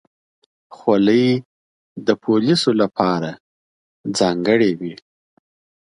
خولۍ د پولیسو لپاره ځانګړې وي.